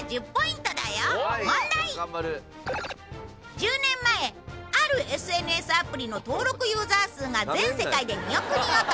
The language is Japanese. １０年前あるＳＮＳアプリの登録ユーザー数が全世界で２億人を突破。